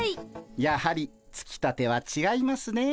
やはりつきたてはちがいますねえ。